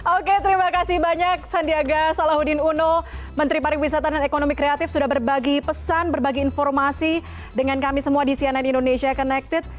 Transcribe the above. oke terima kasih banyak sandiaga salahuddin uno menteri pariwisata dan ekonomi kreatif sudah berbagi pesan berbagi informasi dengan kami semua di cnn indonesia connected